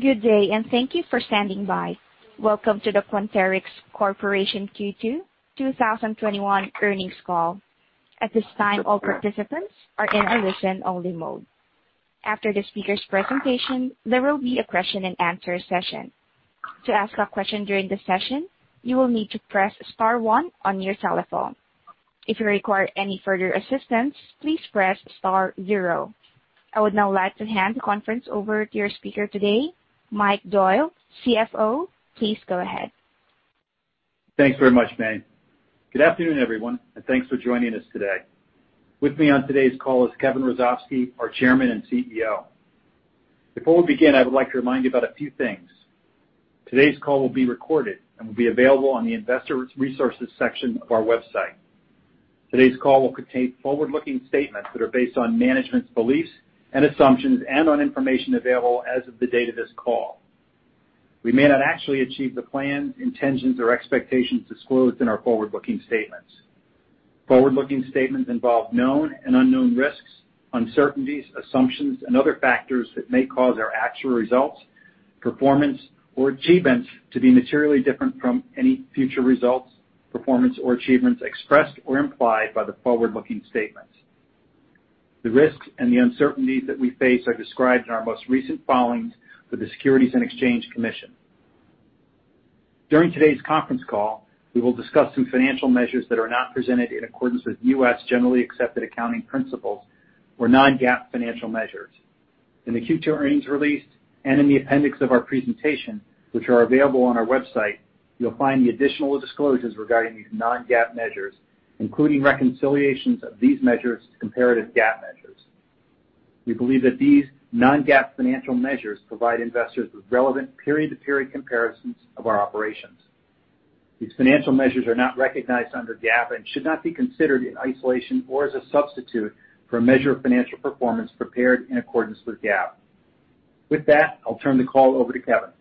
Good day, and thank you for standing by. Welcome to the Quanterix Corporation Q2 2021 earnings call. At this time, all participants are in a listen-only mode. After the speaker's presentation, there will be a question and answer session. To ask a question during the session, you will need to press star one on your telephone. If you require any further assistance, please press star zero. I would now like to hand the conference over to your speaker today, Michael Doyle, CFO. Please go ahead. Thanks very much, May. Good afternoon, everyone, and thanks for joining us today. With me on today's call is Kevin Hrusovsky, our chairman and CEO. Before we begin, I would like to remind you about a few things. Today's call will be recorded and will be available on the investor resources section of our website. Today's call will contain forward-looking statements that are based on management's beliefs and assumptions and on information available as of the date of this call. We may not actually achieve the plans, intentions, or expectations disclosed in our forward-looking statements. Forward-looking statements involve known and unknown risks, uncertainties, assumptions, and other factors that may cause our actual results, performance, or achievements to be materially different from any future results, performance, or achievements expressed or implied by the forward-looking statements. The risks and the uncertainties that we face are described in our most recent filings with the Securities and Exchange Commission. During today's conference call, we will discuss some financial measures that are not presented in accordance with U.S. Generally Accepted Accounting Principles or non-GAAP financial measures. In the Q2 earnings release and in the appendix of our presentation, which are available on our website, you'll find the additional disclosures regarding these non-GAAP measures, including reconciliations of these measures to comparative GAAP measures. We believe that these non-GAAP financial measures provide investors with relevant period-to-period comparisons of our operations. These financial measures are not recognized under GAAP and should not be considered in isolation or as a substitute for a measure of financial performance prepared in accordance with GAAP. With that, I'll turn the call over to Kevin. Thank you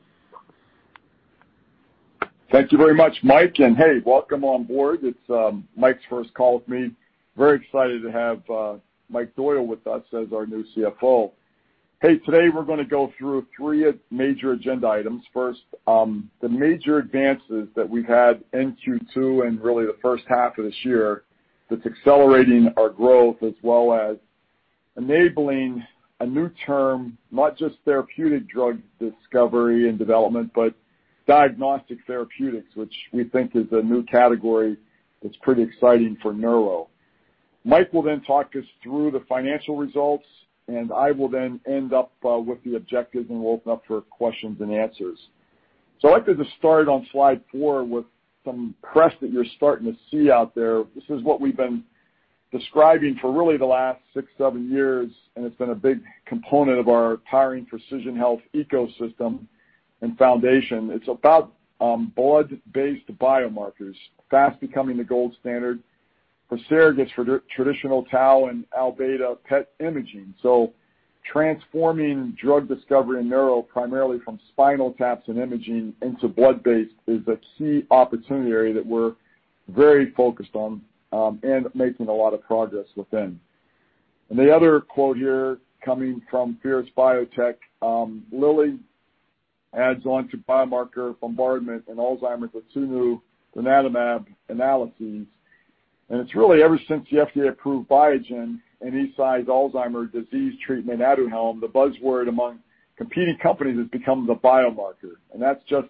very much, Mike. Hey, welcome on board. It's Mike's first call with me. Very excited to have Mike Doyle with us as our new CFO. Hey, today we're going to go through three major agenda items. First, the major advances that we've had in Q2 and really the first half of this year that's accelerating our growth as well as enabling a new term, not just therapeutic drug discovery and development, but diagnostic therapeutics, which we think is a new category that's pretty exciting for neuro. Mike will then talk us through the financial results. I will then end up with the objectives. We'll open up for questions and answers. I'd like to just start on slide four with some press that you're starting to see out there. This is what we've been describing for really the last six, seven years. It's been a big component of our Powering Precision Health ecosystem and foundation. It's about blood-based biomarkers fast becoming the gold standard for surrogates for traditional tau and Abeta PET imaging. Transforming drug discovery and neuro primarily from spinal taps and imaging into blood-based is a key opportunity area that we're very focused on, making a lot of progress within. The other quote here coming from Fierce Biotech, "Lilly adds on to biomarker bombardment in Alzheimer's with two new donanemab analyses." It's really ever since the FDA approved Biogen and Eisai's Alzheimer's disease treatment, Aduhelm, the buzzword among competing companies has become the biomarker. That's just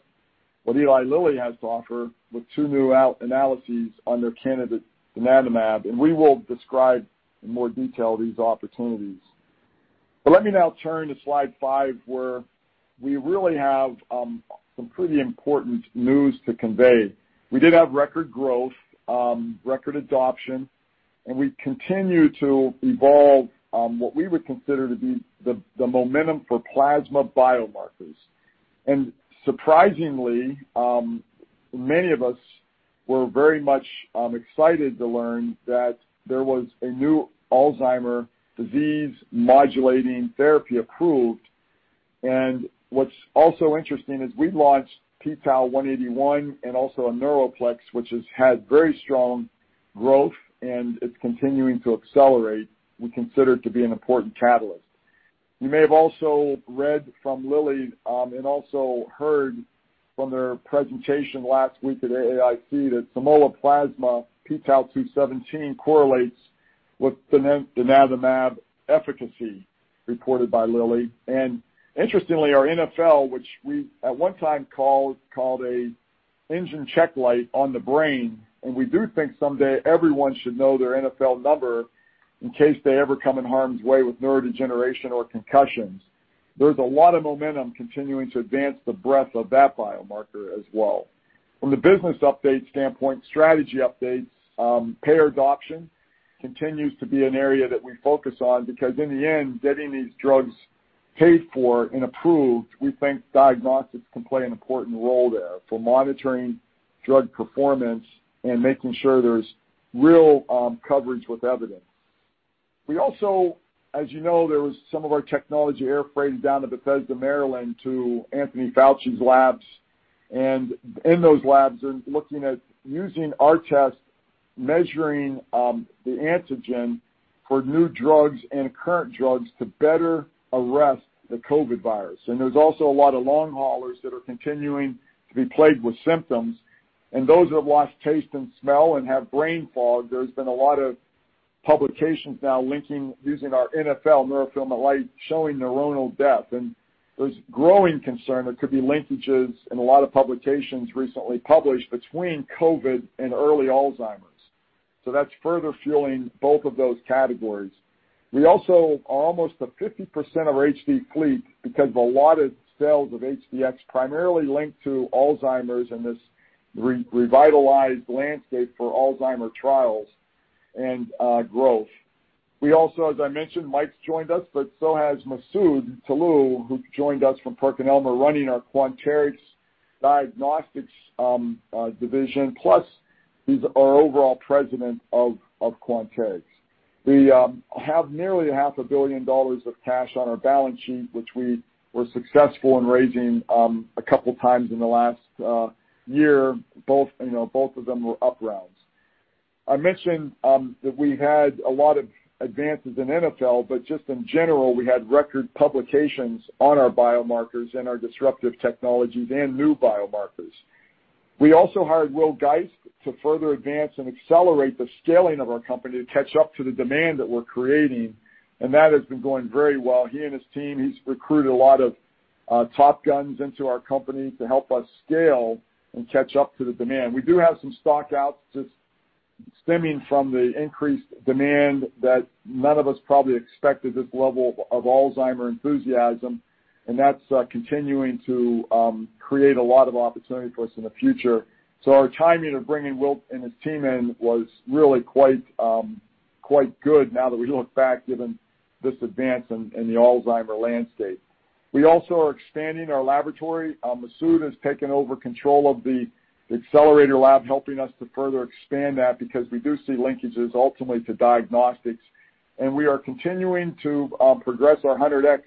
what Eli Lilly has to offer with two new analyses on their candidate, donanemab. We will describe in more detail these opportunities. Let me now turn to slide five, where we really have some pretty important news to convey. We did have record growth, record adoption, and we continue to evolve what we would consider to be the momentum for plasma biomarkers. Surprisingly, many of us were very much excited to learn that there was a new Alzheimer's Disease modulating therapy approved. What's also interesting is we launched p-Tau 181 and also a Neuroplex, which has had very strong growth and it's continuing to accelerate. We consider it to be an important catalyst. You may have also read from Lilly, and also heard from their presentation last week at AAIC that Simoa Plasma p-Tau 217 correlates with donanemab efficacy reported by Lilly. Interestingly, our NfL, which we at one time called a engine check light on the brain, and we do think someday everyone should know their NfL number in case they ever come in harm's way with neurodegeneration or concussions. There's a lot of momentum continuing to advance the breadth of that biomarker as well. From the business update standpoint, strategy updates, payer adoption continues to be an area that we focus on because in the end, getting these drugs paid for and approved, we think diagnostics can play an important role there for monitoring drug performance and making sure there's real coverage with evidence. We also, as you know, there was some of our technology air freighted down to Bethesda, Maryland, to Anthony Fauci's labs. In those labs are looking at using our test, measuring the antigen for new drugs and current drugs to better arrest the COVID virus. There's also a lot of long haulers that are continuing to be plagued with symptoms, and those that have lost taste and smell and have brain fog, there's been a lot of publications now linking using our NfL, neurofilament light, showing neuronal death. There's growing concern there could be linkages in a lot of publications recently published between COVID and early Alzheimer's. That's further fueling both of those categories. We also are almost to 50% of our HD fleet because of a lot of sales of HD-X, primarily linked to Alzheimer's and this revitalized landscape for Alzheimer trials and growth. We also, as I mentioned, Mike's joined us, but so has Masoud Toloue, who joined us from PerkinElmer, running our Quanterix diagnostics division. Plus, he's our overall President of Quanterix. We have nearly half a billion dollars of cash on our balance sheet, which we were successful in raising a couple times in the last year, both of them were up rounds. I mentioned that we had a lot of advances in NfL. Just in general, we had record publications on our biomarkers and our disruptive technologies and new biomarkers. We also hired Will Geist to further advance and accelerate the scaling of our company to catch up to the demand that we're creating. That has been going very well. He and his team, he's recruited a lot of top guns into our company to help us scale and catch up to the demand. We do have some stock-outs just stemming from the increased demand that none of us probably expected this level of Alzheimer enthusiasm, and that's continuing to create a lot of opportunity for us in the future. Our timing of bringing Will and his team in was really quite good now that we look back, given this advance in the Alzheimer landscape. We also are expanding our laboratory. Masoud has taken over control of the accelerator lab, helping us to further expand that because we do see linkages ultimately to diagnostics. We are continuing to progress our 100x,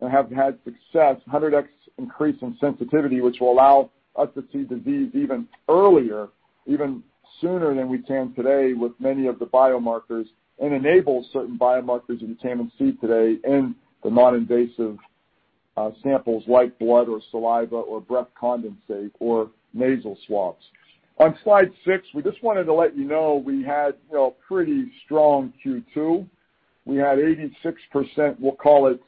and have had success, 100x increase in sensitivity, which will allow us to see disease even earlier, even sooner than we can today with many of the biomarkers, and enables certain biomarkers that you can't even see today in the non-invasive samples like blood or saliva or breath condensate or nasal swabs. On slide six, we just wanted to let you know we had a pretty strong Q2. We had 86%, we'll call it,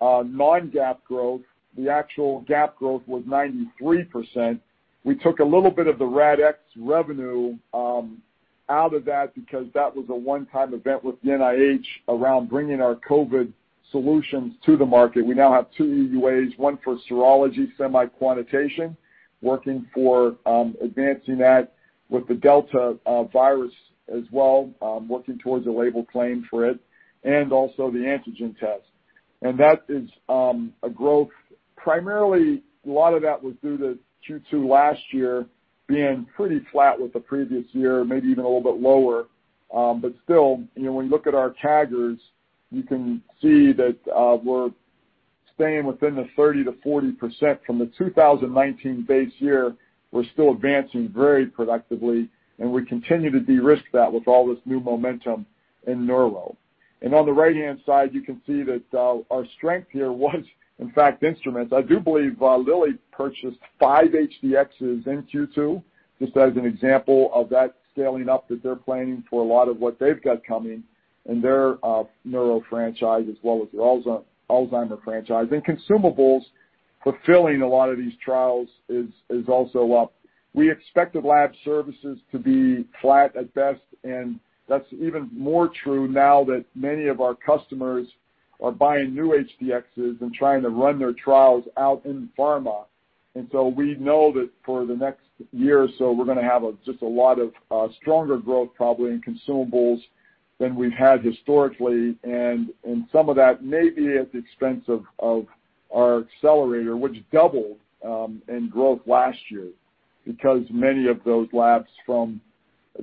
non-GAAP growth. The actual GAAP growth was 93%. We took a little bit of the RADx revenue out of that because that was a one-time event with the NIH around bringing our COVID solutions to the market. We now have two EUAs, one for serology semi-quantitation, working for advancing that with the Delta virus as well, working towards a label claim for it, and also the antigen test. That is a growth. Primarily, a lot of that was due to Q2 last year being pretty flat with the previous year, maybe even a little bit lower. Still, when you look at our CAGRs, you can see that we're staying within the 30% to 40% from the 2019 base year. We're still advancing very productively, and we continue to de-risk that with all this new momentum in neuro. On the right-hand side, you can see that our strength here was, in fact, instruments. I do believe Lilly purchased five HD-Xs in Q2, just as an example of that scaling up that they're planning for a lot of what they've got coming in their neuro franchise as well as their Alzheimer franchise. Consumables fulfilling a lot of these trials is also up. We expected lab services to be flat at best, and that's even more true now that many of our customers are buying new HD-X and trying to run their trials out in pharma. We know that for the next year or so, we're going to have just a lot of stronger growth, probably in consumables than we've had historically. Some of that may be at the expense of our accelerator, which doubled in growth last year because many of those labs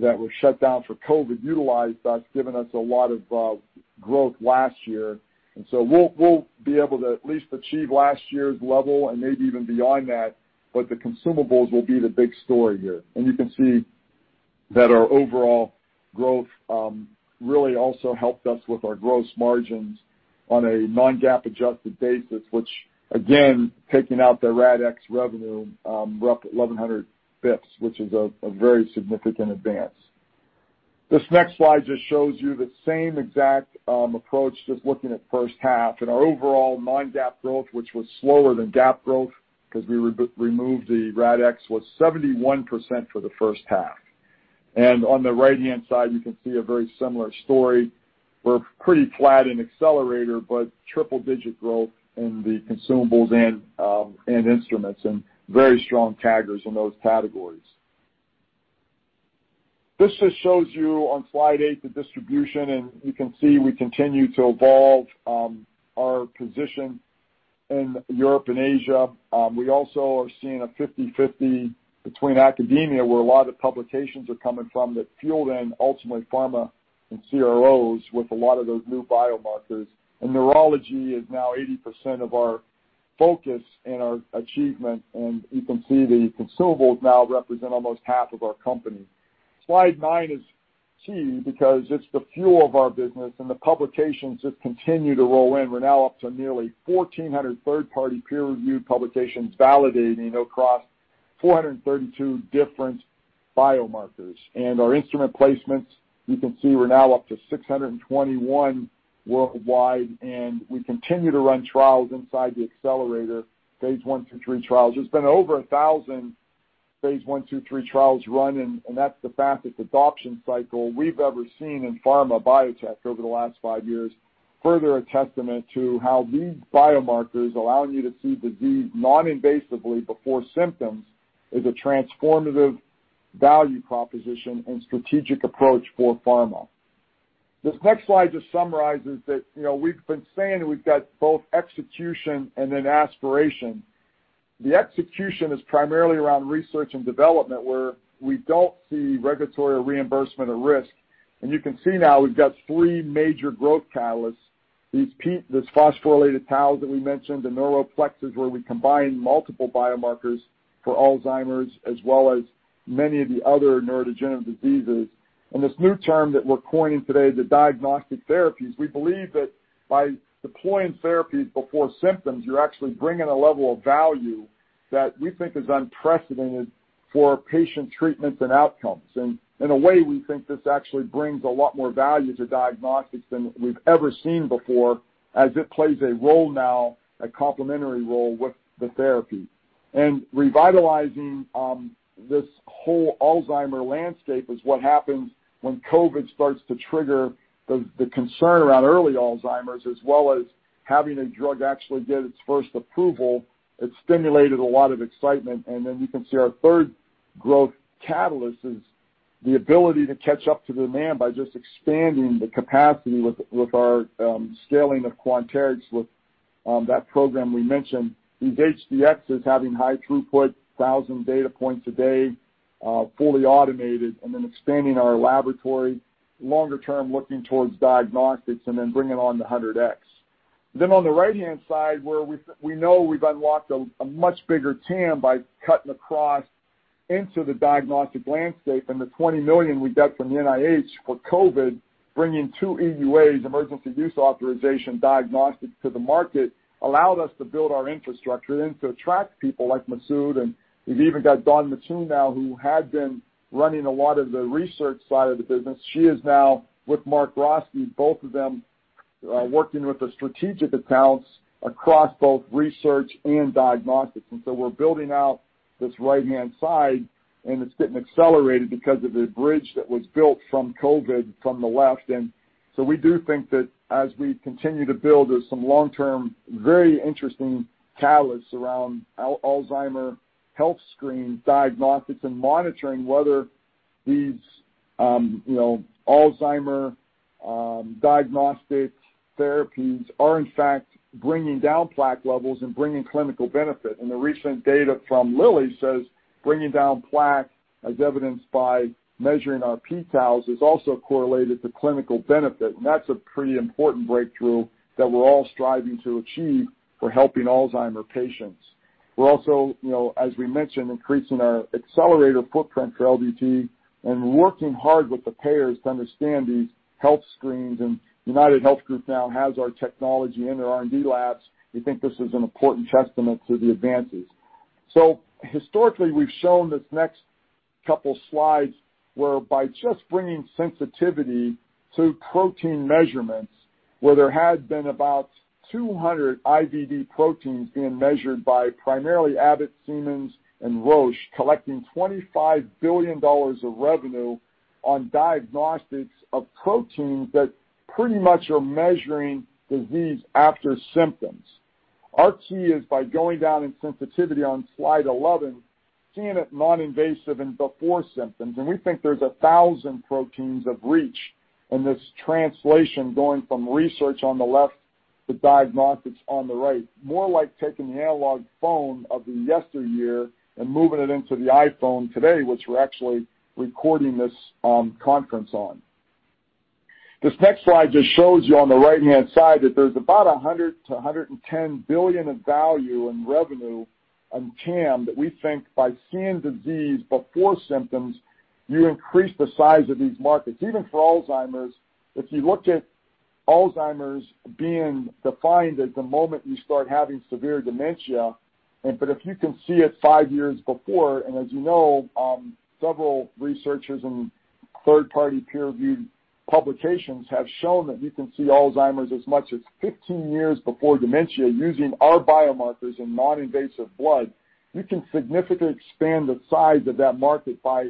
that were shut down for COVID utilized us, giving us a lot of growth last year. We'll be able to at least achieve last year's level and maybe even beyond that, but the consumables will be the big story here. You can see that our overall growth really also helped us with our gross margins on a non-GAAP adjusted basis, which again, taking out the RADx revenue, we are up 1,150%, which is a very significant advance. This next slide just shows you the same exact approach, just looking at first half. Our overall non-GAAP growth, which was slower than GAAP growth because we removed the RADx, was 71% for the first half. On the right-hand side, you can see a very similar story. We are pretty flat in accelerator, but triple-digit growth in the consumables and instruments, and very strong taggers in those categories. This just shows you on slide eight the distribution. You can see we continue to evolve our position in Europe and Asia. We also are seeing a 50/50 between academia, where a lot of publications are coming from that fuel then ultimately pharma and CROs with a lot of those new biomarkers. Neurology is now 80% of our focus and our achievement, and you can see the consumables now represent almost half of our company. Slide nine is key because it's the fuel of our business, and the publications just continue to roll in. We're now up to nearly 1,400 third-party peer-reviewed publications validating across 432 different biomarkers. Our instrument placements, you can see we're now up to 621 worldwide, and we continue to run trials inside the accelerator, phase I to III trials. There's been over 1,000 phase I to III trials run, and that's the fastest adoption cycle we've ever seen in pharma biotech over the last five years, further a testament to how these biomarkers allowing you to see disease non-invasively before symptoms is a transformative value proposition and strategic approach for pharma. This next slide just summarizes that we've been saying we've got both execution and then aspiration. The execution is primarily around research and development, where we don't see regulatory or reimbursement or risk. You can see now we've got three major growth catalysts: these phosphorylated taus that we mentioned, the Neuroplexes, where we combine multiple biomarkers for Alzheimer's as well as many of the other neurodegenerative diseases, and this new term that we're coining today, the diagnostic therapies. We believe that by deploying therapies before symptoms, you're actually bringing a level of value that we think is unprecedented for patient treatments and outcomes. In a way, we think this actually brings a lot more value to diagnostics than we've ever seen before, as it plays a role now, a complementary role, with the therapy. Revitalizing this whole Alzheimer's landscape is what happens when COVID starts to trigger the concern around early Alzheimer's, as well as having a drug actually get its first approval. It stimulated a lot of excitement. Then you can see our third growth catalyst is the ability to catch up to demand by just expanding the capacity with our scaling of Quanterix with that program we mentioned. These HD-X having high throughput, 1,000 data points a day, fully automated, expanding our laboratory longer term, looking towards diagnostics bringing on the 100x. On the right-hand side, where we know we've unlocked a much bigger TAM by cutting across into the diagnostic landscape and the $20 million we got from the NIH for COVID, bringing two EUAs, Emergency Use Authorization diagnostics to the market, allowed us to build our infrastructure and to attract people like Masoud. We've even got Dawn Mattoon now, who had been running a lot of the research side of the business. She is now with Mark Roskey, both of them working with the strategic accounts across both research and diagnostics. We're building out this right-hand side, and it's getting accelerated because of the bridge that was built from COVID from the left. We do think that as we continue to build, there's some long-term, very interesting catalysts around Alzheimer health screen diagnostics and monitoring whether these Alzheimer diagnostic therapies are in fact bringing down plaque levels and bringing clinical benefit. The recent data from Lilly says bringing down plaque, as evidenced by measuring our p-Taus, is also correlated to clinical benefit. That's a pretty important breakthrough that we're all striving to achieve for helping Alzheimer patients. We're also, as we mentioned, increasing our accelerator footprint for LDT and working hard with the payers to understand these health screens. UnitedHealth Group now has our technology in their R&D labs. We think this is an important testament to the advances. Historically, we've shown this next couple slides, where by just bringing sensitivity to protein measurements, where there had been about 200 IVD proteins being measured by primarily Abbott, Siemens, and Roche, collecting $25 billion of revenue on diagnostics of proteins that pretty much are measuring disease after symptoms. Our key is by going down in sensitivity on slide 11, seeing it non-invasive and before symptoms, and we think there's 1,000 proteins of reach in this translation going from research on the left to diagnostics on the right. More like taking the analog phone of the yesteryear and moving it into the iPhone today, which we're actually recording this conference on. This next slide just shows you on the right-hand side that there's about $100 billion-$110 billion of value in revenue and TAM that we think by seeing disease before symptoms, you increase the size of these markets. Even for Alzheimer's, if you looked at Alzheimer's being defined as the moment you start having severe dementia, but if you can see it five years before, as you know, several researchers and third-party peer-reviewed publications have shown that you can see Alzheimer's as much as 15 years before dementia using our biomarkers and non-invasive blood, you can significantly expand the size of that market by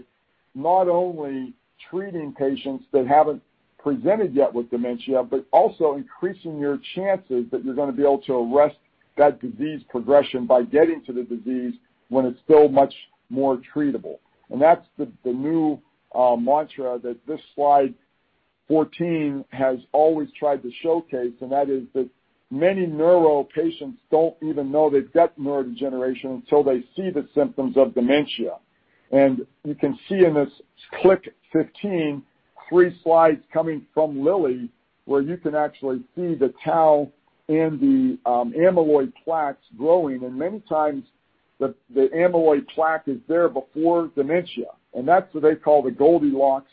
not only treating patients that haven't presented yet with dementia but also increasing your chances that you're going to be able to arrest that disease progression by getting to the disease when it's still much more treatable. That's the new mantra that this slide 14 has always tried to showcase, and that is that many neuro patients don't even know they've got neurodegeneration until they see the symptoms of dementia. You can see in this click 15, three slides coming from Lilly, where you can actually see the tau and the amyloid plaques growing. Many times, the amyloid plaque is there before dementia, and that's what they call the Goldilocks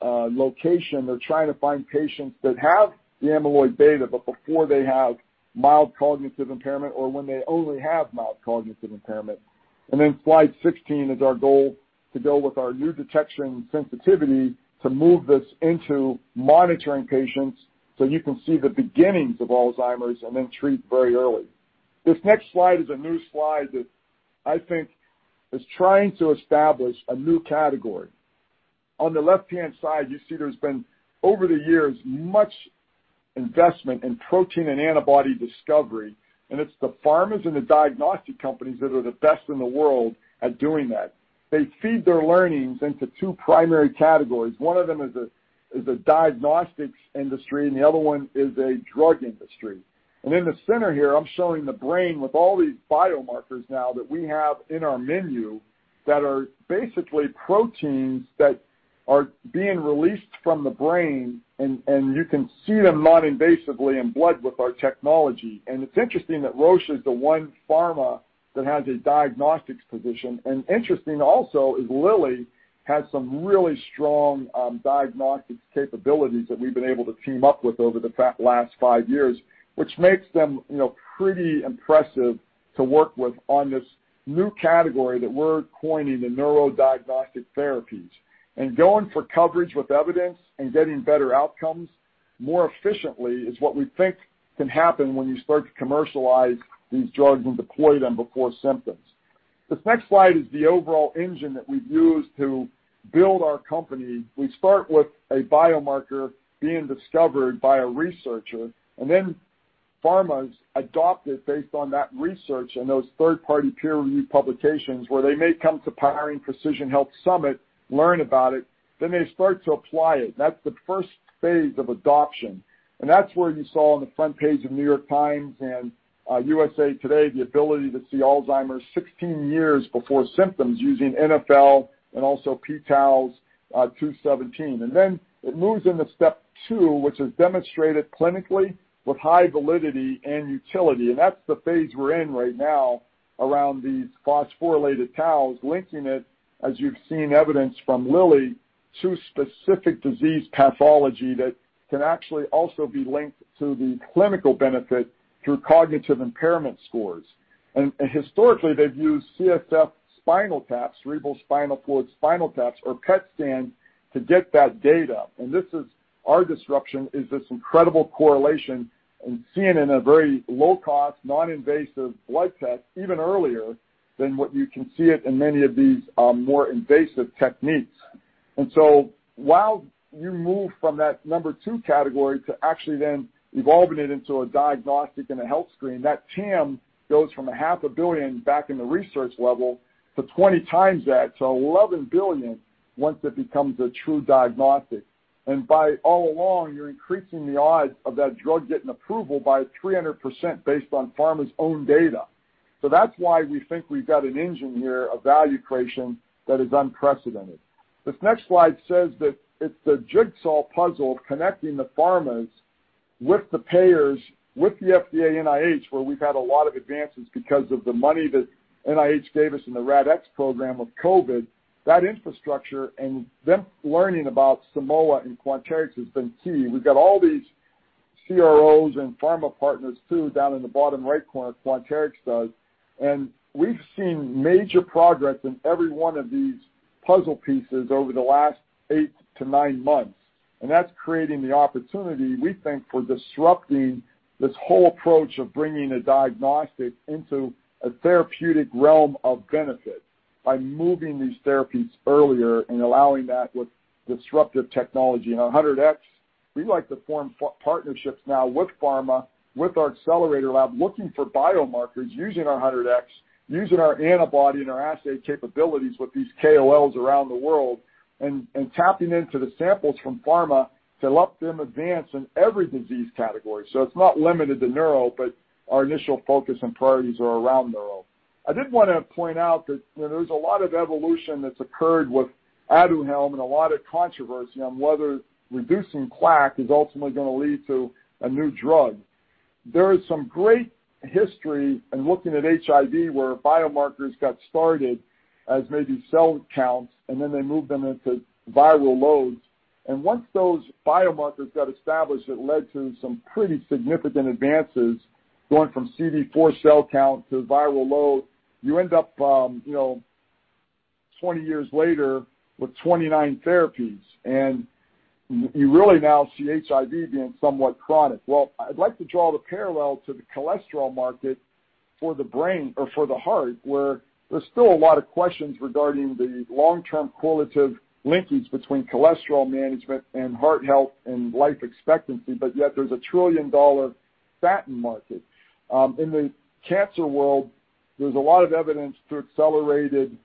location. They're trying to find patients that have the amyloid beta, but before they have mild cognitive impairment or when they only have mild cognitive impairment. Then slide 16 is our goal to go with our new detection sensitivity to move this into monitoring patients so you can see the beginnings of Alzheimer's and then treat very early. This next slide is a new slide that I think is trying to establish a new category. On the left-hand side, you see there's been, over the years, much investment in protein and antibody discovery, and it's the pharmas and the diagnostic companies that are the best in the world at doing that. They feed their learnings into two primary categories. One of them is a diagnostics industry, and the other one is a drug industry. In the center here, I'm showing the brain with all these biomarkers now that we have in our menu that are basically proteins that are being released from the brain, and you can see them non-invasively in blood with our technology. It's interesting that Roche is the one pharma that has a diagnostics position. Interesting also is Lilly has some really strong diagnostics capabilities that we've been able to team up with over the last five years, which makes them pretty impressive to work with on this new category that we're coining the neurodiagnostic therapies. Going for coverage with evidence and getting better outcomes more efficiently is what we think can happen when you start to commercialize these drugs and deploy them before symptoms. This next slide is the overall engine that we've used to build our company. We start with a biomarker being discovered by a researcher, and then pharmas adopt it based on that research and those third-party peer-reviewed publications where they may come to Powering Precision Health Summit, learn about it, then they start to apply it. That's the first phase of adoption. That's where you saw on the front page of The New York Times and USA TODAY, the ability to see Alzheimer's 16 years before symptoms using NfL and also p-Tau 217. Then it moves into step two, which is demonstrated clinically with high validity and utility. That's the phase we're in right now around these phosphorylated taus, linking it, as you've seen evidence from Lilly, to specific disease pathology that can actually also be linked to the clinical benefit through cognitive impairment scores. Historically, they've used CSF spinal taps, cerebral spinal fluid spinal taps, or PET scan to get that data. This is our disruption, is this incredible correlation and seeing in a very low-cost, non-invasive blood test even earlier than what you can see it in many of these more invasive techniques. While you move from that number two category to actually then evolving it into a diagnostic and a health screen, that TAM goes from a half a billion dollars back in the research level to 20x that, $11 billion once it becomes a true diagnostic. By all along, you're increasing the odds of that drug getting approval by 300% based on pharma's own data. That's why we think we've got an engine here of value creation that is unprecedented. This next slide says that it's the jigsaw puzzle connecting the pharmas with the payers, with the FDA and NIH, where we've had a lot of advances because of the money that NIH gave us in the RADx program with COVID. That infrastructure and them learning about Simoa and Quanterix has been key. We've got all these CROs and pharma partners, too, down in the bottom right corner, Quanterix does. We've seen major progress in every one of these puzzle pieces over the last eight to nine months, and that's creating the opportunity, we think, for disrupting this whole approach of bringing a diagnostic into a therapeutic realm of benefit by moving these therapies earlier and allowing that with disruptive technology. 100x, we like to form partnerships now with pharma, with our accelerator lab, looking for biomarkers using our 100x, using our antibody and our assay capabilities with these KOLs around the world, and tapping into the samples from pharma to let them advance in every disease category. It's not limited to neuro, but our initial focus and priorities are around neuro. I did want to point out that there's a lot of evolution that's occurred with Aduhelm and a lot of controversy on whether reducing plaque is ultimately going to lead to a new drug. There is some great history in looking at HIV, where biomarkers got started as maybe cell counts, and then they moved them into viral loads. Once those biomarkers got established, it led to some pretty significant advances, going from CD4 cell count to viral load. You end up, 20 years later, with 29 therapies, and you really now see HIV being somewhat chronic. I'd like to draw the parallel to the cholesterol market for the brain or for the heart, where there's still a lot of questions regarding the long-term correlative linkage between cholesterol management and heart health and life expectancy, but yet there's a trillion-dollar statin market. In the cancer world, there's a lot of evidence through accelerated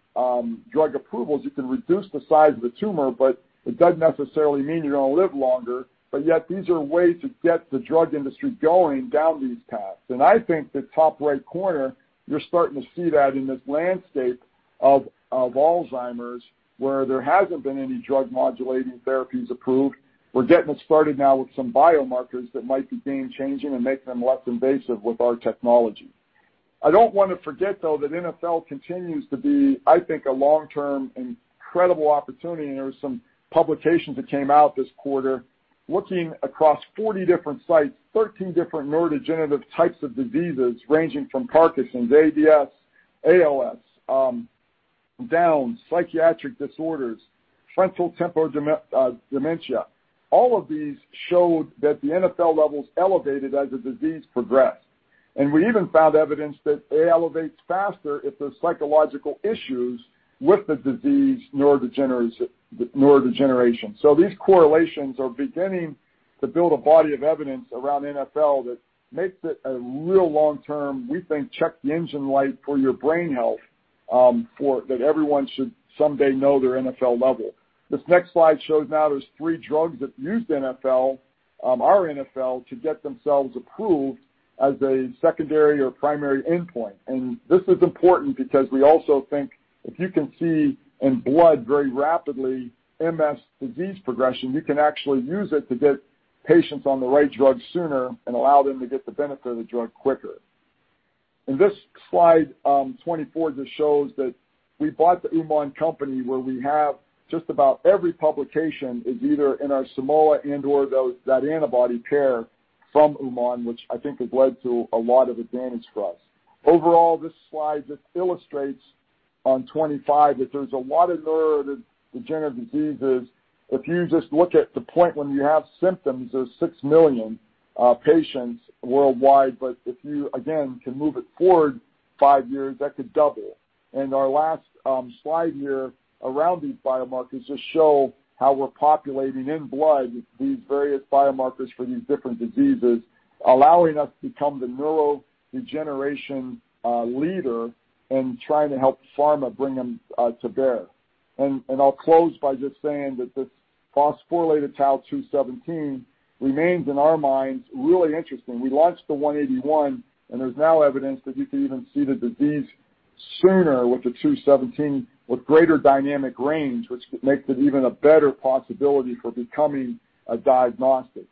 drug approvals, you can reduce the size of the tumor, but it doesn't necessarily mean you're going to live longer, but yet these are ways to get the drug industry going down these paths. I think the top right corner, you're starting to see that in this landscape of Alzheimer's, where there hasn't been any drug-modulating therapies approved. We're getting it started now with some biomarkers that might be game-changing and make them less invasive with our technology. I don't want to forget, though, that NfL continues to be, I think, a long-term incredible opportunity. There were some publications that came out this quarter looking across 40 different sites, 13 different neurodegenerative types of diseases ranging from Parkinson's, ADS, ALS, Down, psychiatric disorders, frontotemporal dementia. All of these showed that the NfL levels elevated as the disease progressed. We even found evidence that it elevates faster if there's psychological issues with the disease neurodegeneration. These correlations are beginning to build a body of evidence around NfL that makes it a real long-term, we think, check the engine light for your brain health, that everyone should someday know their NfL level. This next slide shows now there's three drugs that used our NfL to get themselves approved as a secondary or primary endpoint. This is important because we also think if you can see in blood very rapidly MS disease progression, you can actually use it to get patients on the right drug sooner and allow them to get the benefit of the drug quicker. This slide 24 just shows that we bought the UmanDiagnostics company, where we have just about every publication is either in our Simoa and/or that antibody pair from UmanDiagnostics, which I think has led to a lot of advantage for us. This slide just illustrates on 25 that there's a lot of neurodegenerative diseases. If you just look at the point when you have symptoms, there's 6 million patients worldwide, but if you, again, can move it forward five years, that could double. Our last slide here around these biomarkers just show how we're populating in blood these various biomarkers for these different diseases, allowing us to become the neurodegeneration leader in trying to help pharma bring them to bear. I'll close by just saying that this phosphorylated tau 217 remains, in our minds, really interesting. We launched the p-Tau 181, and there's now evidence that you can even see the disease sooner with the p-Tau 217 with greater dynamic range, which makes it even a better possibility for becoming a diagnostic.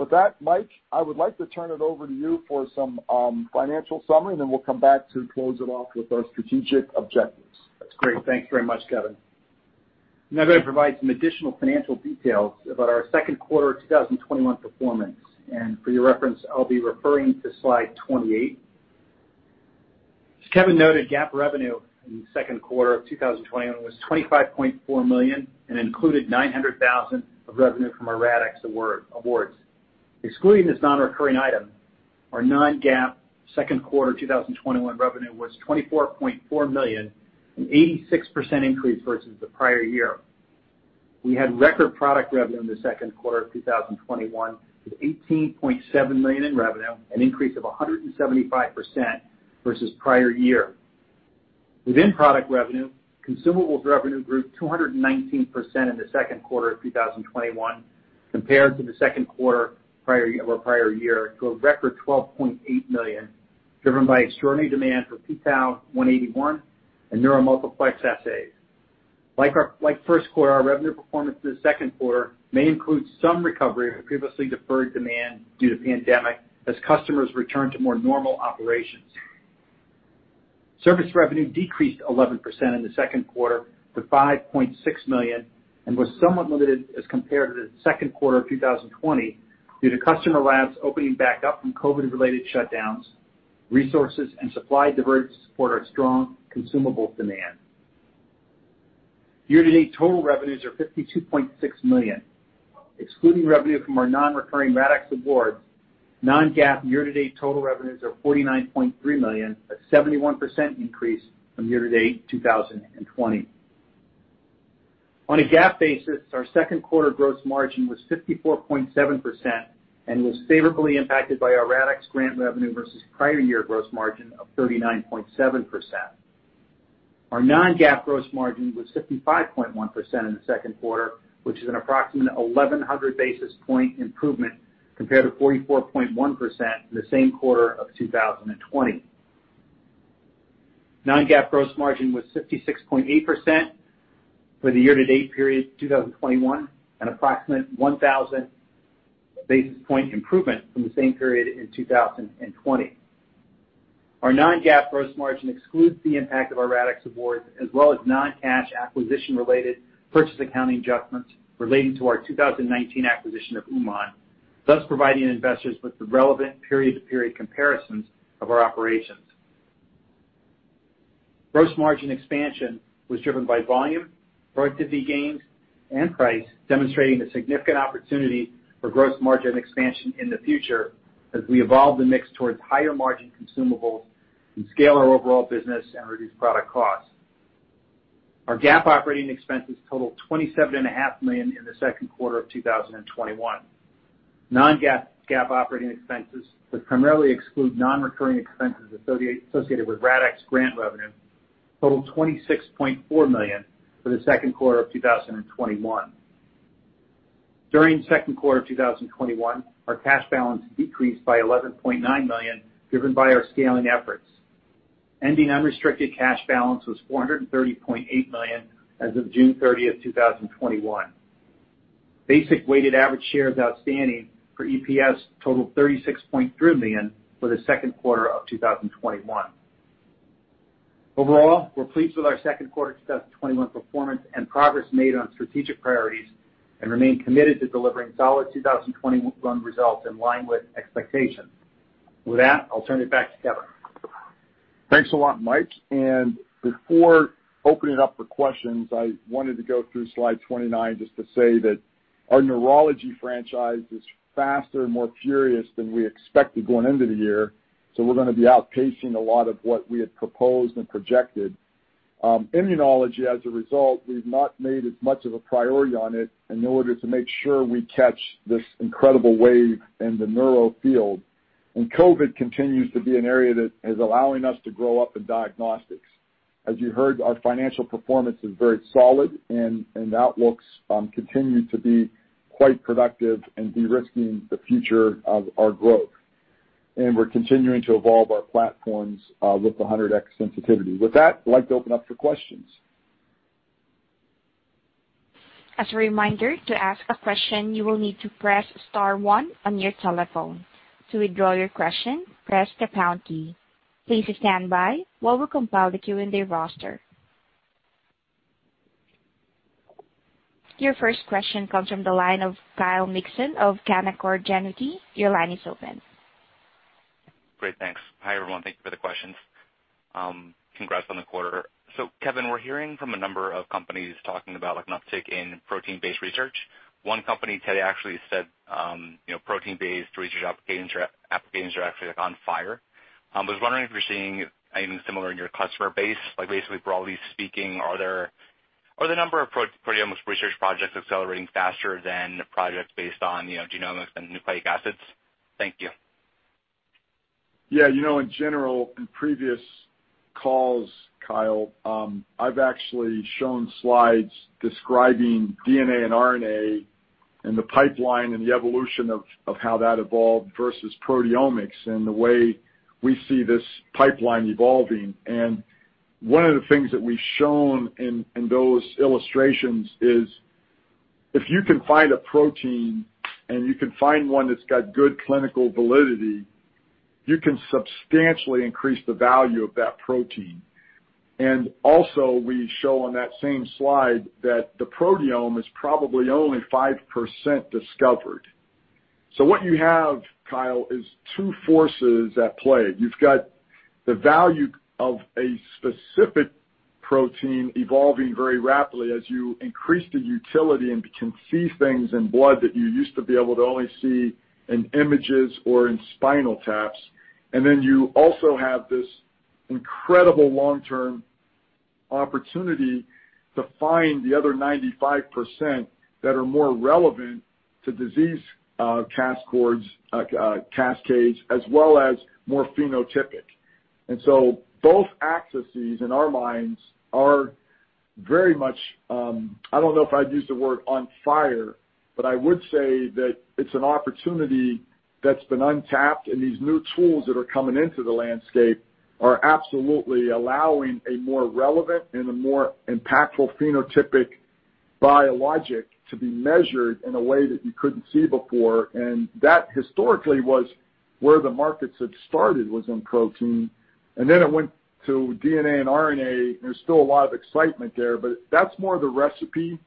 With that, Mike, I would like to turn it over to you for some financial summary, and then we'll come back to close it off with our strategic objectives. That's great. Thanks very much, Kevin. You bet. I'll provide some additional financial details about our second quarter 2021 performance. For your reference, I'll be referring to slide 28. As Kevin noted, GAAP revenue in the second quarter of 2021 was $25.4 million and included $900,000 of revenue from our RADx awards. Excluding this non-recurring item, our non-GAAP second quarter 2021 revenue was $24.4 million, an 86% increase versus the prior year. We had record product revenue in the second quarter of 2021, with $18.7 million in revenue, an increase of 175% versus prior year. Within product revenue, consumables revenue grew 219% in the second quarter of 2021 compared to the second quarter of our prior year to a record $12.8 million, driven by extraordinary demand for p-Tau 181 and Neuromultiplex assays. First quarter, our revenue performance for the second quarter may include some recovery of previously deferred demand due to pandemic as customers return to more normal operations. Service revenue decreased 11% in the second quarter to $5.6 million and was somewhat limited as compared to the second quarter of 2020 due to customer labs opening back up from COVID-related shutdowns, resources, and supply diverts to support our strong consumables demand. Year-to-date total revenues are $52.6 million. Excluding revenue from our non-recurring RADx awards, non-GAAP year-to-date total revenues are $49.3 million, a 71% increase from year-to-date 2020. On a GAAP basis, our second quarter gross margin was 54.7% and was favorably impacted by our RADx grant revenue versus prior year gross margin of 39.7%. Our non-GAAP gross margin was 55.1% in the second quarter, which is an approximate 1,100-basis point improvement compared to 44.1% in the same quarter of 2020. Non-GAAP gross margin was 56.8% for the year-to-date period 2021, an approximate 1,000-basis point improvement from the same period in 2020. Our non-GAAP gross margin excludes the impact of our RADx awards as well as non-cash acquisition-related purchase accounting adjustments relating to our 2019 acquisition of UmanDiagnostics, thus providing investors with the relevant period-to-period comparisons of our operations. Gross margin expansion was driven by volume, productivity gains, and price, demonstrating the significant opportunity for gross margin expansion in the future as we evolve the mix towards higher margin consumables and scale our overall business and reduce product costs. Our GAAP operating expenses totaled $27.5 million in the second quarter of 2021. Non-GAAP operating expenses, which primarily exclude non-recurring expenses associated with RADx grant revenue, totaled $26.4 million for the second quarter of 2021. During the second quarter of 2021, our cash balance decreased by $11.9 million, driven by our scaling efforts. Ending unrestricted cash balance was $430.8 million as of June 30th, 2021. Basic weighted average shares outstanding for EPS totaled 36.3 million for the second quarter of 2021. We're pleased with our second quarter 2021 performance and progress made on strategic priorities, and remain committed to delivering solid 2021 results in line with expectations. With that, I'll turn it back to Kevin. Thanks a lot, Mike, before opening up for questions, I wanted to go through slide 29 just to say that our neurology franchise is faster and more furious than we expected going into the year, we're going to be outpacing a lot of what we had proposed and projected. Immunology, as a result, we've not made as much of a priority on it in order to make sure we catch this incredible wave in the neuro field. COVID continues to be an area that is allowing us to grow up in diagnostics. As you heard, our financial performance is very solid and outlooks continue to be quite productive in de-risking the future of our growth. We're continuing to evolve our platforms with 100x sensitivity. With that, I'd like to open up for questions. As a reminder, to ask a question, you will need to press star one on your telephone. To withdraw your question, press the pound key. Please stand by while we compile the Q&A roster. Your first question comes from the line of Kyle Mikson of Canaccord Genuity. Your line is open. Great. Thanks. Hi, everyone. Thank you for the questions. Congrats on the quarter. Kevin, we're hearing from a number of companies talking about an uptick in protein-based research. One company today actually said protein-based research applications are actually on fire. I was wondering if you're seeing anything similar in your customer base. Basically, broadly speaking, are the number of proteomics research projects accelerating faster than projects based on genomics and nucleic acids? Thank you. Yeah. In general, in previous calls, Kyle, I've actually shown slides describing DNA and RNA and the pipeline and the evolution of how that evolved versus proteomics and the way we see this pipeline evolving. One of the things that we've shown in those illustrations is if you can find a protein and you can find one that's got good clinical validity, you can substantially increase the value of that protein. Also, we show on that same slide that the proteome is probably only 5% discovered. What you have, Kyle, is two forces at play. You've got the value of a specific protein evolving very rapidly as you increase the utility and can see things in blood that you used to be able to only see in images or in spinal taps. You also have this incredible long-term opportunity to find the other 95% that are more relevant to disease cascades, as well as more phenotypic. Both axes, in our minds, are very much, I don't know if I'd use the word on fire, but I would say that it's an opportunity that's been untapped, and these new tools that are coming into the landscape are absolutely allowing a more relevant and a more impactful phenotypic biologic to be measured in a way that you couldn't see before. That historically was where the markets had started was in protein, and then it went to DNA and RNA, and there's still a lot of excitement there, but that's more the recipe.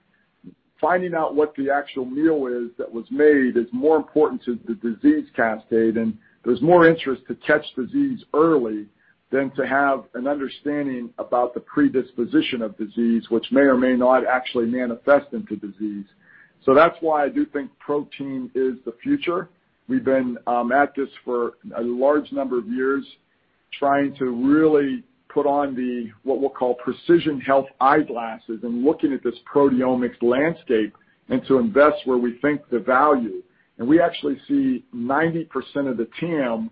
Finding out what the actual meal is that was made is more important to the disease cascade, and there's more interest to catch disease early than to have an understanding about the predisposition of disease, which may or may not actually manifest into disease. That's why I do think protein is the future. We've been at this for a large number of years, trying to really put on the, what we'll call Precision Health eyeglasses and looking at this proteomics landscape, and to invest where we think the value. We actually see 90% of the TAM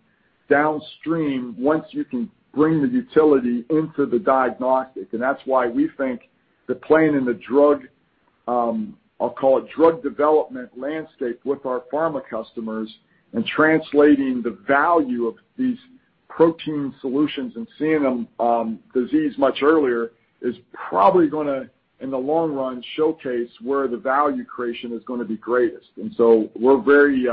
downstream once you can bring the utility into the diagnostic. That's why we think that playing in the drug, I'll call it drug development landscape with our pharma customers and translating the value of these protein solutions and seeing disease much earlier is probably going to, in the long run, showcase where the value creation is going to be greatest. So we're very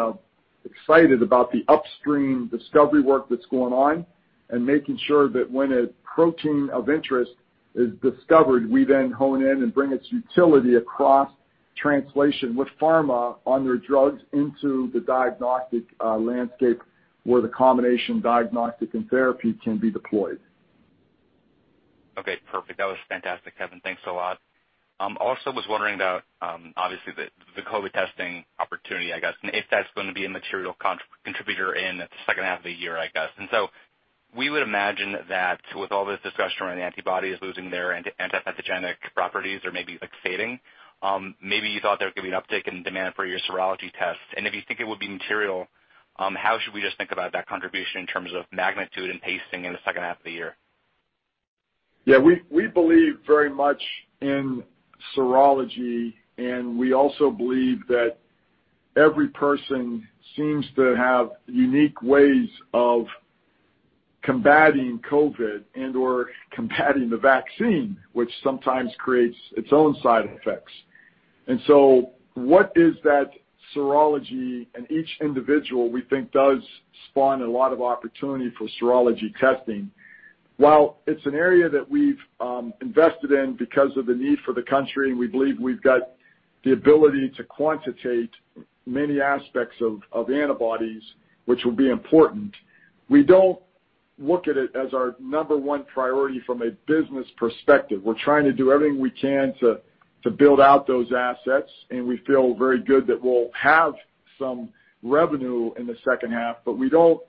excited about the upstream discovery work that's going on and making sure that when a protein of interest is discovered, we then hone in and bring its utility across translation with pharma on their drugs into the diagnostic landscape where the combination diagnostic and therapy can be deployed. Okay, perfect. That was fantastic, Kevin. Thanks a lot. Was wondering about, obviously the COVID testing opportunity, I guess, and if that's going to be a material contributor in the second half of the year. We would imagine that with all this discussion around antibodies losing their anti-pathogenic properties or maybe fading, maybe you thought there was going to be an uptick in demand for your serology tests. If you think it would be material, how should we just think about that contribution in terms of magnitude and pacing in the second half of the year? Yeah. We believe very much in serology, and we also believe that every person seems to have unique ways of combating COVID and/or combating the vaccine, which sometimes creates its own side effects. What is that serology, and each individual, we think, does spawn a lot of opportunity for serology testing. While it's an area that we've invested in because of the need for the country, and we believe we've got the ability to quantitate many aspects of antibodies, which will be important, we don't look at it as our number one priority from a business perspective. We're trying to do everything we can to build out those assets, and we feel very good that we'll have some revenue in the second half. We don't,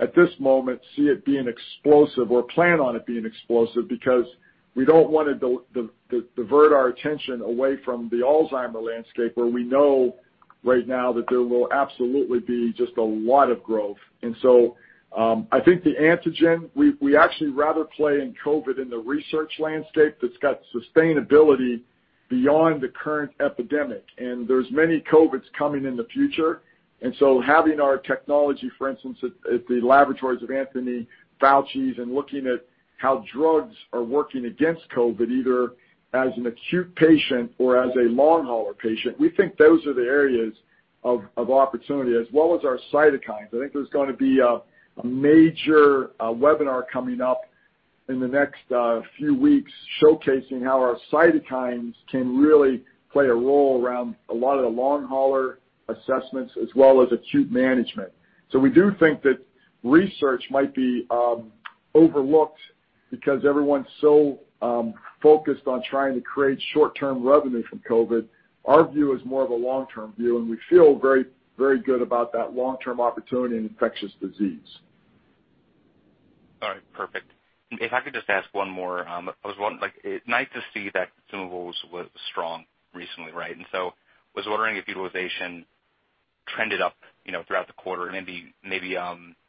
at this moment, see it being explosive or plan on it being explosive, because we don't want to divert our attention away from the Alzheimer landscape, where we know right now that there will absolutely be just a lot of growth. I think the antigen, we actually rather play in COVID in the research landscape that's got sustainability beyond the current epidemic, and there's many COVIDs coming in the future. Having our technology, for instance, at the laboratories of Anthony Fauci's and looking at how drugs are working against COVID, either as an acute patient or as a long hauler patient, we think those are the areas of opportunity. As well as our cytokines. I think there's going to be a major webinar coming up in the next few weeks showcasing how our cytokines can really play a role around a lot of the long hauler assessments as well as acute management. We do think that research might be overlooked because everyone's so focused on trying to create short-term revenue from COVID. Our view is more of a long-term view, and we feel very good about that long-term opportunity in infectious disease. All right, perfect. If I could just ask one more. It's nice to see that consumables was strong recently, right? I was wondering if utilization trended up throughout the quarter, and maybe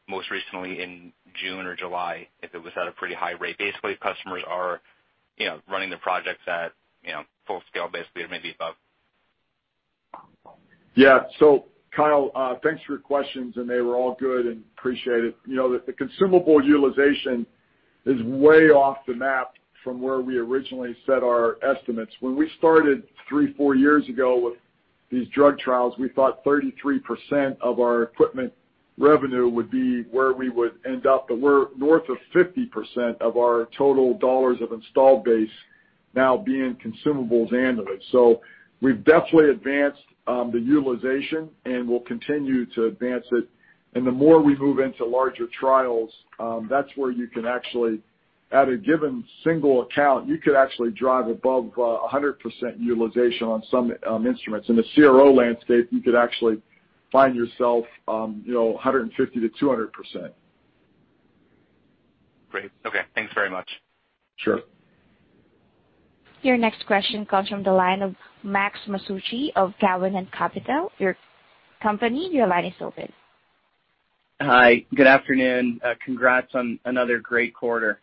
most recently in June or July, if it was at a pretty high rate. Basically, customers are running the projects at full scale, or maybe above. Kyle, thanks for your questions, and they were all good and appreciate it. The consumable utilization is way off the map from where we originally set our estimates. When we started three, four years ago with these drug trials, we thought 33% of our equipment revenue would be where we would end up, but we're north of 50% of our total dollars of installed base now being consumables annually. We've definitely advanced the utilization and will continue to advance it. The more we move into larger trials, that's where you can actually, at a given single account, you could actually drive above 100% utilization on some instruments. In the CRO landscape, you could actually find yourself 150%-200%. Great. Okay, thanks very much. Sure. Your next question comes from the line of Max Masucci of Cowen and Company. Hi, good afternoon. Congrats on another great quarter.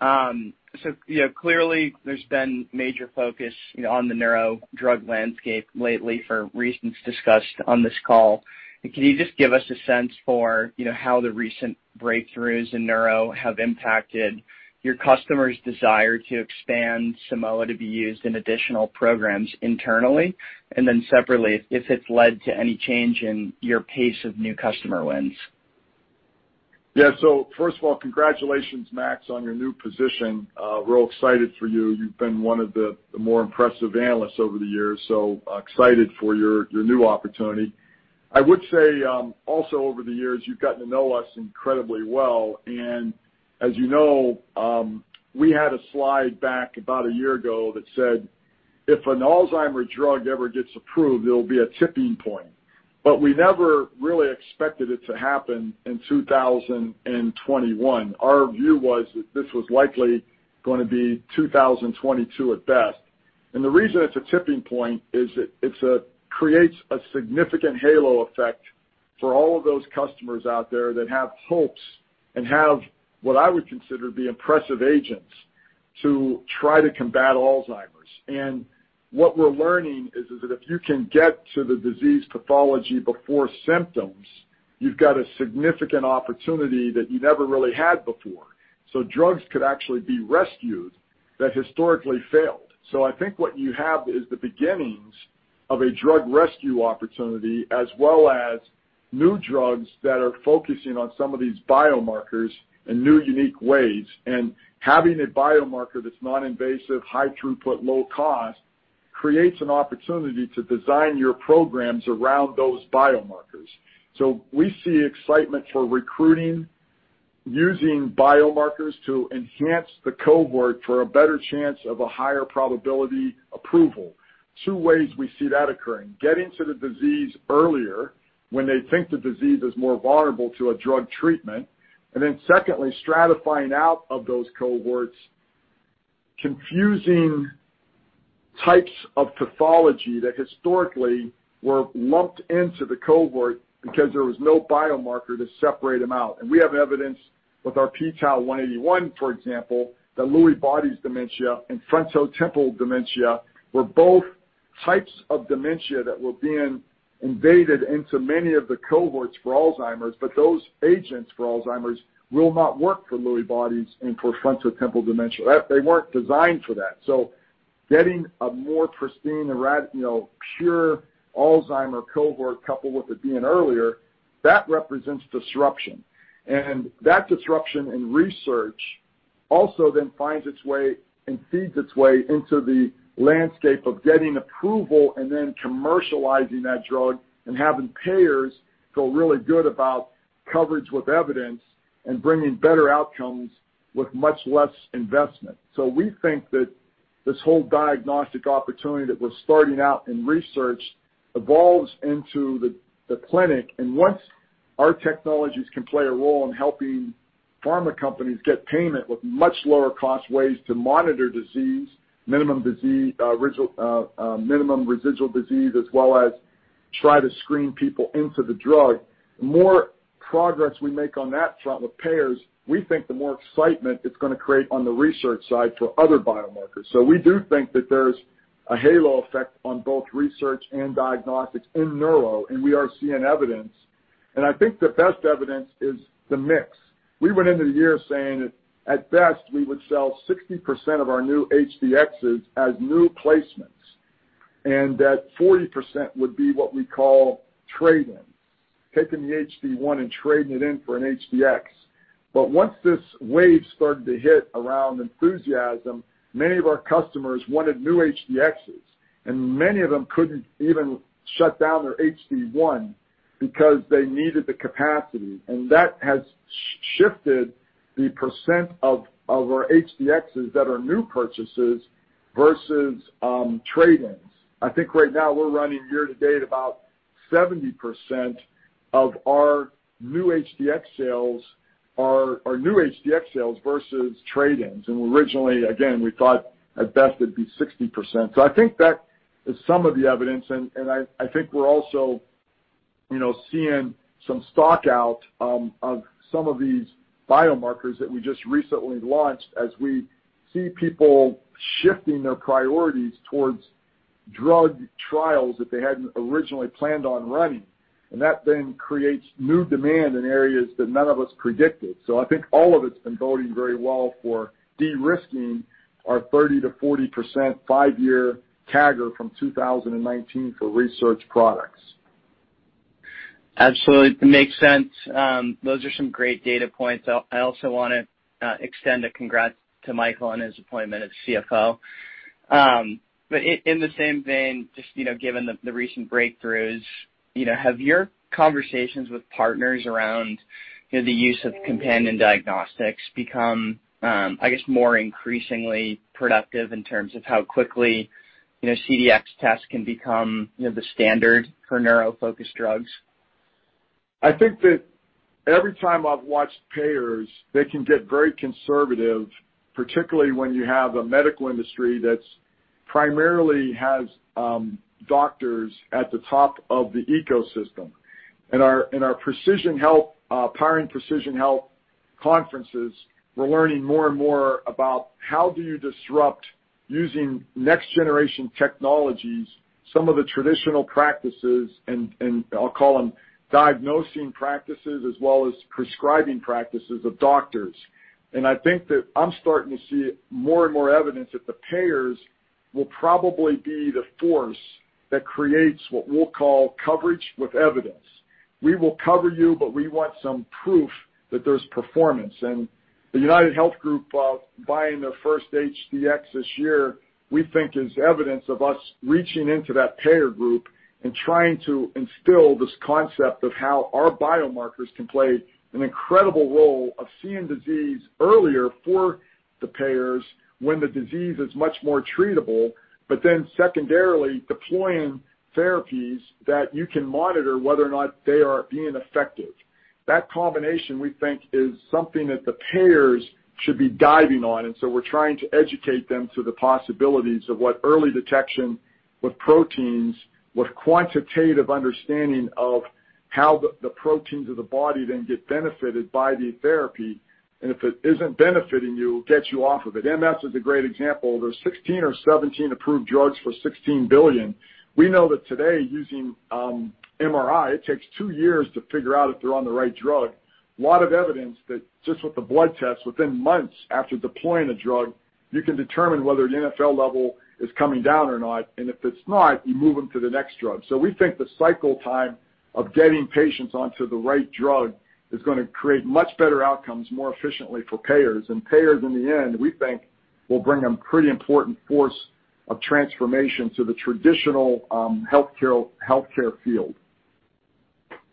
Clearly there's been major focus on the neuro drug landscape lately for reasons discussed on this call. Can you just give us a sense for how the recent breakthroughs in neuro have impacted your customers' desire to expand Simoa to be used in additional programs internally? Separately, if it's led to any change in your pace of new customer wins. Yeah. First of all, congratulations, Max, on your new position. Real excited for you. You've been one of the more impressive analysts over the years, so excited for your new opportunity. I would say, also over the years, you've gotten to know us incredibly well, and as you know, we had a slide back about a year ago that said, if an Alzheimer's drug ever gets approved, there will be a tipping point. We never really expected it to happen in 2021. Our view was that this was likely going to be 2022 at best. The reason it's a tipping point is that it creates a significant halo effect for all of those customers out there that have hopes and have what I would consider to be impressive agents to try to combat Alzheimer's. What we're learning is that if you can get to the disease pathology before symptoms, you've got a significant opportunity that you never really had before. Drugs could actually be rescued that historically failed. I think what you have is the beginnings of a drug rescue opportunity, as well as new drugs that are focusing on some of these biomarkers in new, unique ways, and having a biomarker that's non-invasive, high throughput, low cost, creates an opportunity to design your programs around those biomarkers. We see excitement for recruiting using biomarkers to enhance the cohort for a better chance of a higher probability approval. Two ways we see that occurring. Getting to the disease earlier when they think the disease is more vulnerable to a drug treatment. Secondly, stratifying out of those cohorts confusing types of pathology that historically were lumped into the cohort because there was no biomarker to separate them out. We have evidence with our p-Tau 181, for example, that Lewy bodies dementia and frontotemporal dementia were both types of dementia that were being invaded into many of the cohorts for Alzheimer's, but those agents for Alzheimer's will not work for Lewy bodies and for frontotemporal dementia. They weren't designed for that. Getting a more pristine, pure Alzheimer's cohort, coupled with it being earlier, that represents disruption, and that disruption in research also then finds its way and feeds its way into the landscape of getting approval and then commercializing that drug and having payers feel really good about coverage with evidence and bringing better outcomes with much less investment. We think that this whole diagnostic opportunity that we're starting out in research evolves into the clinic. Once our technologies can play a role in helping pharma companies get payment with much lower cost ways to monitor disease, minimum residual disease, as well as try to screen people into the drug, the more progress we make on that front with payers, we think the more excitement it's going to create on the research side for other biomarkers. We do think that there's a halo effect on both research and diagnostics in neuro, and we are seeing evidence. I think the best evidence is the mix. We went into the year saying that at best, we would sell 60% of our new HD-Xs as new placements, and that 40% would be what we call trade-ins, taking the HD-1 and trading it in for an HD-X. Once this wave started to hit around enthusiasm, many of our customers wanted new HD-Xs, and many of them couldn't even shut down their HD-1 because they needed the capacity. That has shifted the percent of our HD-Xs that are new purchases versus trade-ins. I think right now we're running year to date about 70% of our new HD-X sales versus trade-ins. Originally, again, we thought at best it'd be 60%. I think that is some of the evidence, and I think we're also seeing some stock out of some of these biomarkers that we just recently launched as we see people shifting their priorities towards drug trials that they hadn't originally planned on running. That then creates new demand in areas that none of us predicted. I think all of it's been boding very well for de-risking our 30%-40% five-year CAGR from 2019 for research products. Absolutely. It makes sense. Those are some great data points. I also want to extend a congrats to Michael on his appointment as CFO. In the same vein, just given the recent breakthroughs, have your conversations with partners around the use of companion diagnostics become, I guess, more increasingly productive in terms of how quickly CDx tests can become the standard for neuro-focused drugs? I think that every time I've watched payers, they can get very conservative, particularly when you have a medical industry that primarily has doctors at the top of the ecosystem. In our Powering Precision Health conferences, we're learning more and more about how do you disrupt using next-generation technologies, some of the traditional practices, and I'll call them diagnosing practices as well as prescribing practices of doctors. I think that I'm starting to see more and more evidence that the payers will probably be the force that creates what we'll call coverage with evidence. We will cover you, but we want some proof that there's performance. The UnitedHealth Group buying their first HD-X this year, we think is evidence of us reaching into that payer group and trying to instill this concept of how our biomarkers can play an incredible role of seeing disease earlier for the payers when the disease is much more treatable, but then secondarily, deploying therapies that you can monitor whether or not they are being effective. That combination, we think, is something that the payers should be diving on, and so we're trying to educate them to the possibilities of what early detection with proteins, with quantitative understanding of how the proteins of the body then get benefited by the therapy, and if it isn't benefiting you, get you off of it. MS is a great example. There's 16 or 17 approved drugs for $16 billion. We know that today using MRI, it takes two years to figure out if they're on the right drug. A lot of evidence that just with the blood test, within months after deploying a drug, you can determine whether the NfL level is coming down or not, and if it's not, you move them to the next drug. We think the cycle time of getting patients onto the right drug is going to create much better outcomes more efficiently for payers. Payers, in the end, we think will bring a pretty important force of transformation to the traditional healthcare field.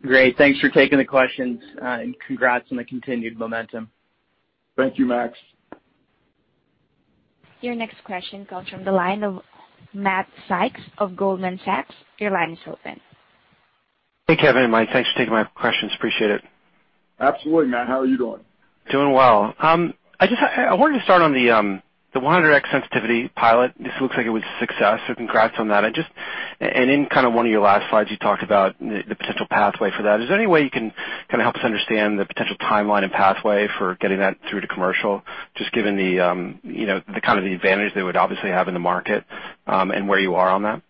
Great. Thanks for taking the questions and congrats on the continued momentum. Thank you, Max. Your next question comes from the line of Matt Sykes of Goldman Sachs. Your line is open. Hey, Kevin and Mike. Thanks for taking my questions. Appreciate it. Absolutely, Matt. How are you doing? Doing well. I wanted to start on the 100x sensitivity pilot. This looks like it was a success, so congrats on that. In one of your last slides, you talked about the potential pathway for that. Is there any way you can help us understand the potential timeline and pathway for getting that through to commercial, just given the advantage they would obviously have in the market, and where you are on that?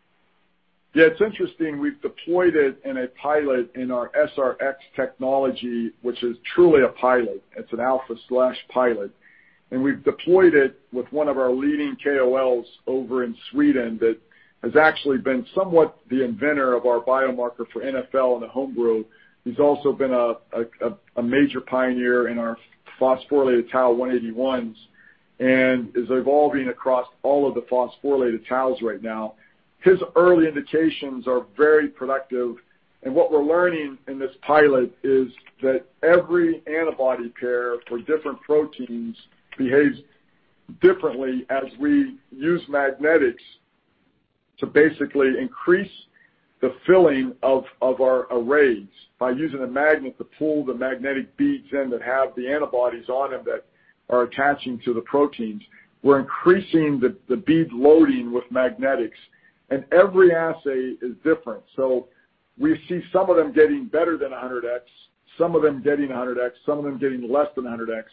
It's interesting. We've deployed it in a pilot in our SR-X technology, which is truly a pilot. It's an alpha/pilot. We've deployed it with one of our leading KOLs over in Sweden that has actually been somewhat the inventor of our biomarker for NfL in the home brew, who's also been a major pioneer in our phosphorylated tau 181s, and is evolving across all of the phosphorylated taus right now. His early indications are very productive. What we're learning in this pilot is that every antibody pair for different proteins behaves differently as we use magnetics to basically increase the filling of our arrays by using a magnet to pull the magnetic beads in that have the antibodies on them that are attaching to the proteins. We're increasing the bead loading with magnetics. Every assay is different. We see some of them getting better than 100x, some of them getting 100x, some of them getting less than 100x.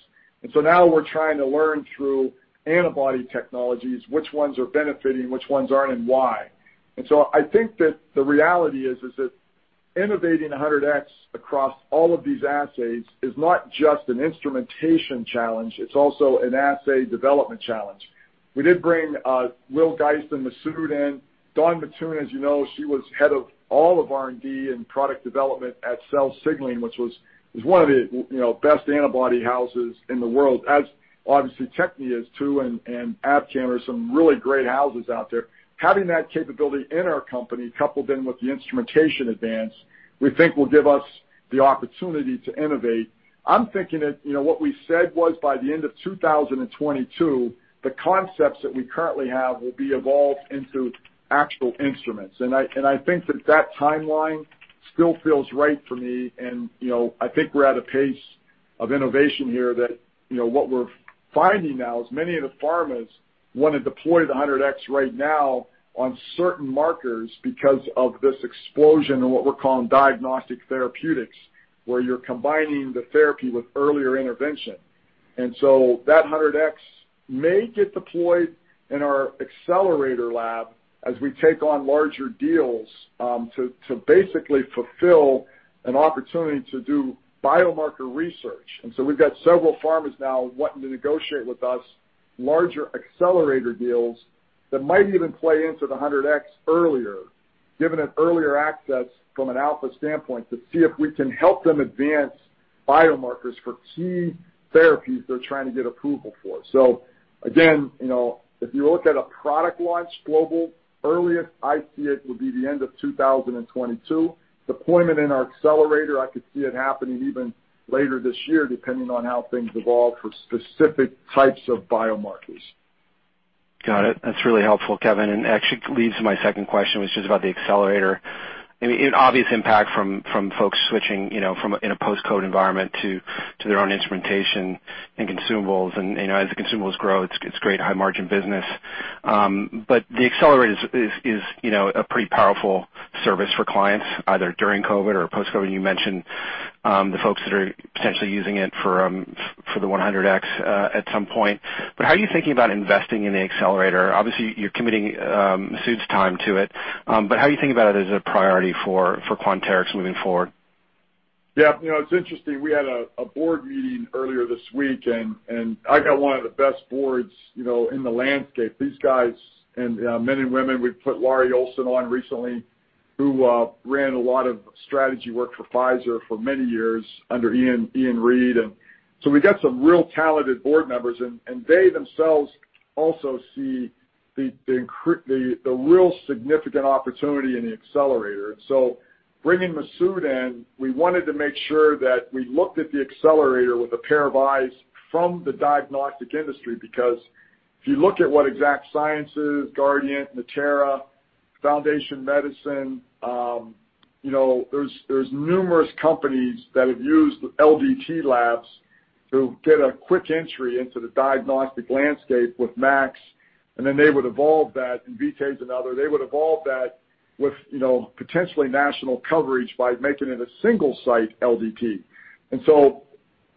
Now we're trying to learn through antibody technologies which ones are benefiting, which ones aren't, and why. I think that the reality is that innovating 100x across all of these assays is not just an instrumentation challenge, it's also an assay development challenge. We did bring Will Geist and Masoud in. Dawn Mattoon, as you know, she was head of all of R&D and product development at Cell Signaling, which was one of the best antibody houses in the world, as obviously Techne is too, and Abcam are some really great houses out there. Having that capability in our company, coupled in with the instrumentation advance, we think will give us the opportunity to innovate. I'm thinking that what we said was by the end of 2022, the concepts that we currently have will be evolved into actual instruments. I think that that timeline still feels right for me, and I think we're at a pace of innovation here that what we're finding now is many of the pharmas want to deploy the 100x right now on certain markers because of this explosion in what we're calling diagnostic therapeutics, where you're combining the therapy with earlier intervention. That 100x may get deployed in our accelerator lab as we take on larger deals, to basically fulfill an opportunity to do biomarker research. We've got several pharmas now wanting to negotiate with us larger accelerator deals that might even play into the 100x earlier, giving it earlier access from an alpha standpoint to see if we can help them advance biomarkers for key therapies they're trying to get approval for. If you look at a product launch global, earliest I see it will be the end of 2022. Deployment in our accelerator, I could see it happening even later this year, depending on how things evolve for specific types of biomarkers. Got it. That's really helpful, Kevin, actually leads to my second question, which is about the accelerator. I mean, an obvious impact from folks switching in a post-COVID environment to their own instrumentation and consumables. As the consumables grow, it's great high-margin business. The accelerator is a pretty powerful service for clients, either during COVID or post-COVID. You mentioned the folks that are potentially using it for the 100x at some point. How are you thinking about investing in the accelerator? Obviously, you're committing Masoud's time to it. How are you think about it as a priority for Quanterix moving forward? Yeah, it's interesting, we had a board meeting earlier this week. I got one of the best boards in the landscape. These guys, men and women, we've put Laurie Olson on recently, who ran a lot of strategy work for Pfizer for many years under Ian Read. We got some real talented board members. They themselves also see the real significant opportunity in the accelerator. Bringing Masoud in, we wanted to make sure that we looked at the accelerator with a pair of eyes from the diagnostic industry because if you look at what Exact Sciences, Guardant, Natera, Foundation Medicine, there's numerous companies that have used LDT labs to get a quick entry into the diagnostic landscape with MACs. They would evolve that. Verita is another. They would evolve that with potentially national coverage by making it a single-site LDT.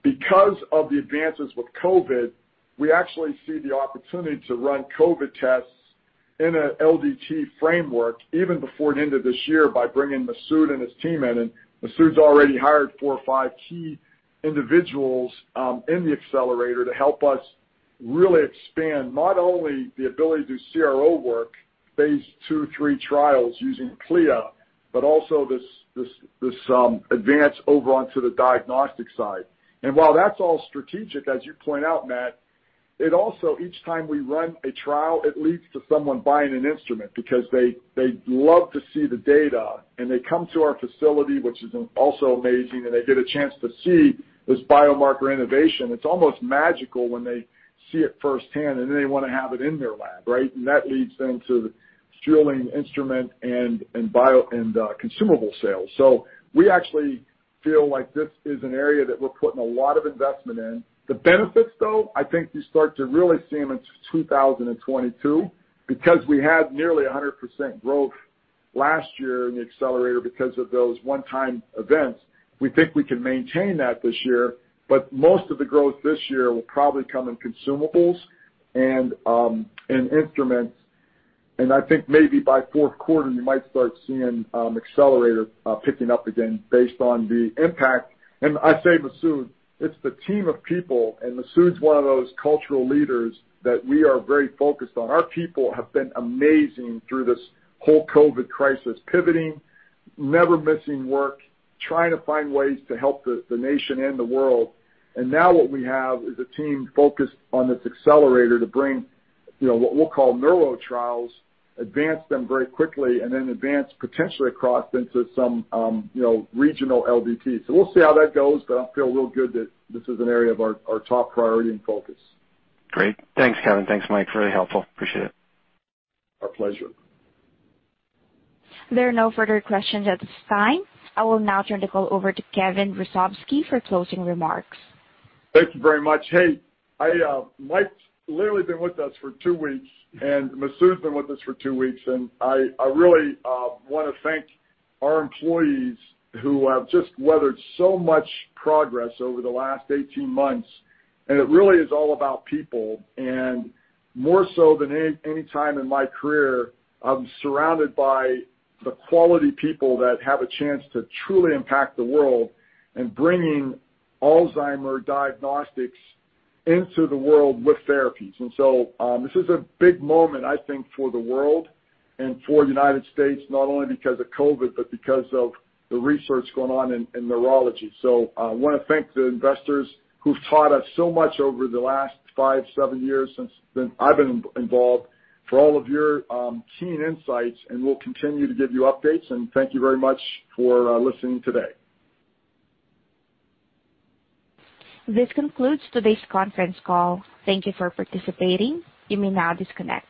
Because of the advances with COVID, we actually see the opportunity to run COVID tests in an LDT framework even before the end of this year by bringing Masoud and his team in. Masoud's already hired four or five key individuals in the accelerator to help us really expand not only the ability to do CRO work, phase II, III trials using CLIA, but also this advance over onto the diagnostic side. While that's all strategic, as you point out, Matt, it also, each time we run a trial, it leads to someone buying an instrument because they love to see the data, and they come to our facility, which is also amazing, and they get a chance to see this biomarker innovation. It's almost magical when they see it firsthand, and then they want to have it in their lab, right? That leads then to the sterling instrument and consumable sales. We actually feel like this is an area that we're putting a lot of investment in. The benefits, though, I think you start to really see them in 2022, because we had nearly 100% growth last year in the accelerator because of those one-time events. We think we can maintain that this year, but most of the growth this year will probably come in consumables and in instruments. I think maybe by fourth quarter, you might start seeing accelerator picking up again based on the impact. I say Masoud, it's the team of people, and Masoud's one of those cultural leaders that we are very focused on. Our people have been amazing through this whole COVID crisis, pivoting, never missing work, trying to find ways to help the nation and the world. Now what we have is a team focused on this accelerator to bring what we'll call neuro trials, advance them very quickly, and then advance potentially across into some regional LDTs. We'll see how that goes, but I feel real good that this is an area of our top priority and focus. Great. Thanks, Kevin. Thanks, Mike. Really helpful. Appreciate it. Our pleasure. There are no further questions at this time. I will now turn the call over to Kevin Hrusovsky for closing remarks. Thank you very much. Hey, Mike's literally been with us for two weeks. Masoud's been with us for two weeks. I really want to thank our employees who have just weathered so much progress over the last 18 months. It really is all about people. More so than any time in my career, I'm surrounded by the quality people that have a chance to truly impact the world in bringing Alzheimer's diagnostics into the world with therapies. This is a big moment, I think, for the world and for United States, not only because of COVID, but because of the research going on in neurology. I want to thank the investors who've taught us so much over the last five, seven years since I've been involved, for all of your keen insights, and we'll continue to give you updates, and thank you very much for listening today. This concludes today's conference call. Thank you for participating. You may now disconnect.